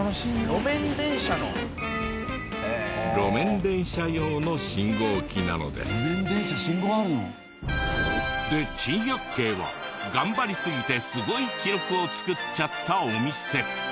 路面電車信号あるの？で珍百景は頑張りすぎてすごい記録を作っちゃったお店。